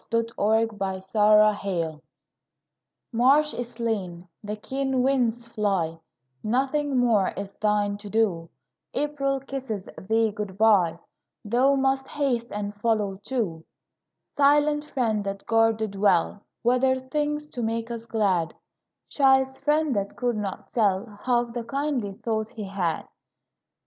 GOD SPEED TO THE SNOW March is slain; the keen winds fly; Nothing more is thine to do; April kisses thee good bye; Thou must haste and follow too; Silent friend that guarded well Withered things to make us glad, Shyest friend that could not tell Half the kindly thought he had.